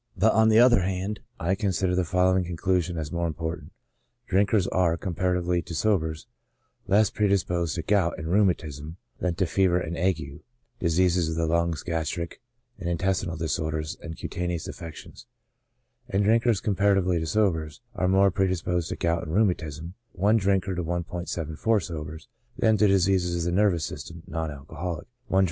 ; but on the other hand, I consider the following conclusion as more important: drinkers are, comparatively to sobers, less predisposed to gout and rheumatism than to fever and ague, diseases of the lungs, gastric and intestinal disorders, and cutaneous affec tions ; and drinkers, comparatively to sobers, are more pre disposed to gout and rheumatism (i D. to 1 74 S.) than to dis eases of the nervous system — non alcoholic (i D.